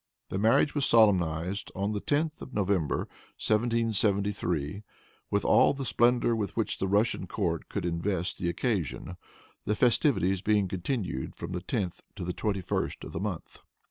The marriage was solemnized on the 10th of November, 1773, with all the splendor with which the Russian court could invest the occasion, the festivities being continued from the 10th to the 21st of the month.